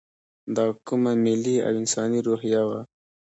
دا کومه ملي او انساني روحیه وه.